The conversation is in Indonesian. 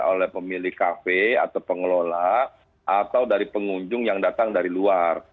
oleh pemilik kafe atau pengelola atau dari pengunjung yang datang dari luar